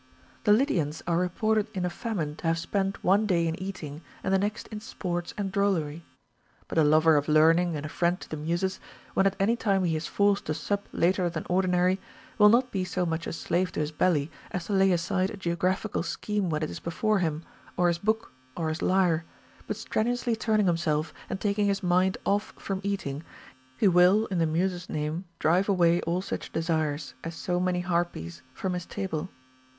20. The Lydians are reported in a famine to have spent one day in eating, and the next in sports and drollery. But a lover of learning and a friend to the Muses, when at any time he is forced to sup later than ordinary, will not be so much a slave to his belly as to lay aside a geographical scheme when it is before him, or his book, or his lyre ; but RULES FOR THE PRESERVATION OF HEALTH. 271 strenuously turning himself, and taking his mind off from eating, he will in the Muses' name drive away all such de sires, as so many Harpies, from his table.